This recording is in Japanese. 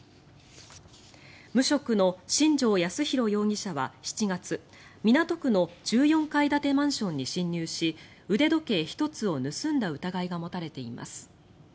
無職の新城康浩容疑者は７月港区の１４階建てマンションに侵入し腕時計１つを盗んだ疑いが持たれています。